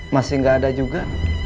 masih gak ada juga